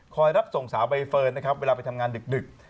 รับส่งสาวใบเฟิร์นนะครับเวลาไปทำงานดึก